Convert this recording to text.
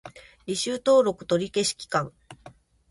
履修登録取り消し期間